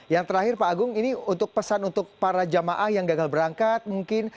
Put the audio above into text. yang terakhir pak agung ini untuk pesan untuk para jamaah yang gagal berangkat mungkin